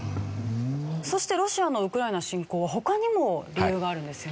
そしてロシアのウクライナ侵攻は他にも理由があるんですよね。